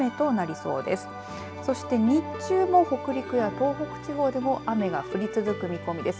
そして日中も北陸や東北地方でも雨が降り続く見込みです。